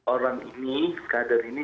orang ini kader ini